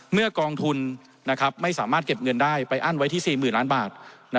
กองทุนไม่สามารถเก็บเงินได้ไปอั้นไว้ที่๔๐๐๐ล้านบาท